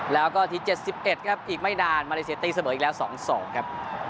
แล้วก็ที๗๑ครับอีกไม่นานมาเลเซียตีเสมออีกแล้ว๒๒ครับ